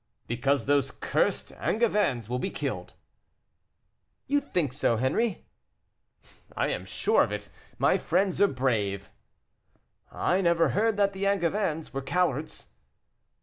"Because those cursed Angevins will be killed." "You think so, Henri?" "I am sure of it; my friends are brave." "I never heard that the Angevins were cowards."